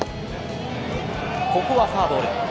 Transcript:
ここはフォアボール。